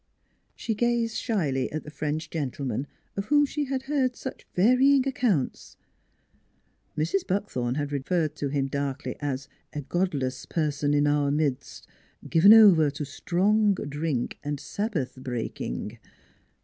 She gazed shyly at the French gentleman, of whom she had heard such varying accounts. Mrs. Buckthorn had referred to him darkly as " a god less person in our midst, given over to strong drink and Sabbath breaking."